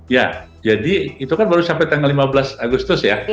ya jadi itu kan baru sampai tanggal lima belas agustus ya